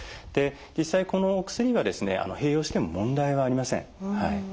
実際このお薬はですね併用しても問題はありません。